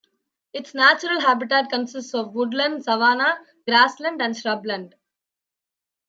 Its natural habitat consists of woodland, savanna, grassland and shrubland.